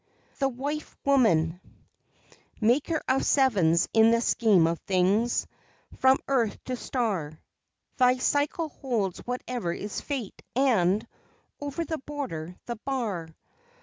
THE WIFE WOMAN Maker of Sevens in the scheme of things From earth to star; Thy cycle holds whatever is fate, and Over the border the bar.